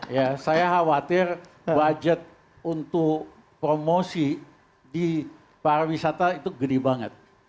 ya saya khawatir budget untuk promosi di pariwisata itu gede banget